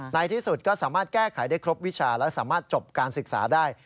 ในที่สุดก็สามารถแก้ไขได้ครบวิชาและสามารถจบการศึกษาได้